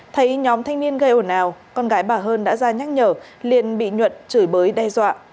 thấy nhóm thanh niên gây ồn ào con gái bà hơn đã ra nhắc nhở liền bị nhuận chửi bới đe dọa